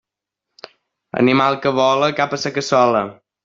Animal que vola cap a sa cassola!